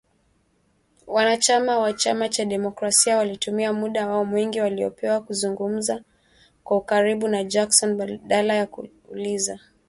Wanachama wa chama cha demokrasia walitumia muda wao mwingi waliopewa kuzungumza kwa ukaribu na Jackson, badala ya kuuliza maswali ya moja kwa moja